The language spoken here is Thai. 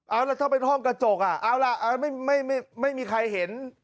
เอาละถ้าเป็นห้องกระจกเอาล่ะไม่มีใครเห็น